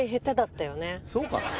そうかな。